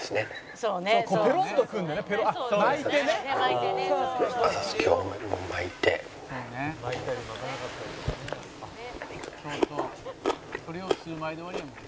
「そうそうそれを数枚で終わりやもんね」